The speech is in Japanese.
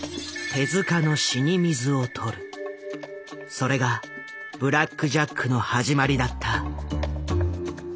それが「ブラック・ジャック」の始まりだった。